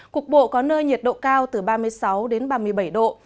cục bộ có nơi nhiệt độ cao từ ba mươi sáu ba mươi bảy độ